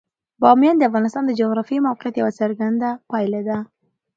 بامیان د افغانستان د جغرافیایي موقیعت یوه څرګنده پایله ده.